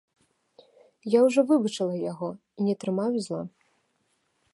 Я ўжо выбачыла яго і не трымаю зла.